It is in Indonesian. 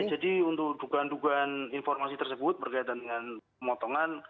jadi untuk dugaan dugaan informasi tersebut berkaitan dengan pemotongan